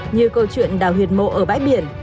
như câu chuyện đào huyệt mộ ở bãi biển